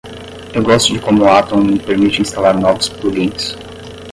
Eu gosto de como o Atom me permite instalar novos plugins.